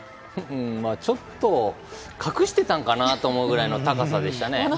ちょっと、隠してたのかな？って思うぐらいの高さでしたね。